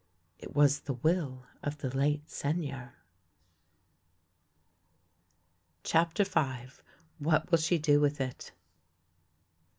It was the will of the late Seigneur. CHAPTER V WHAT WILL SHE DO WITH IT?